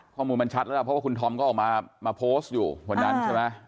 ข้อมูลมันชัดแล้วล่ะเพราะว่าคุณธอมก็ออกมาโพสต์อยู่วันนั้นใช่ไหม